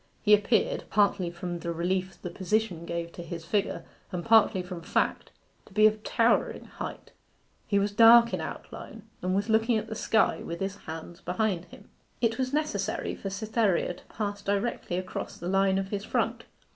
He appeared, partly from the relief the position gave to his figure, and partly from fact, to be of towering height. He was dark in outline, and was looking at the sky, with his hands behind him. It was necessary for Cytherea to pass directly across the line of his front.